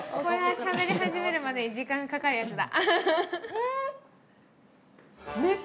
しゃべり始めるまで時間かかるやつだ。